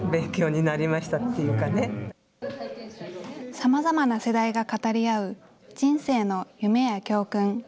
さまざまな世代が語り合う、人生の夢や教訓。